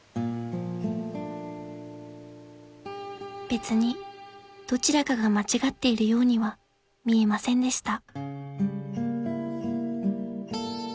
［別にどちらかが間違っているようには見えませんでした］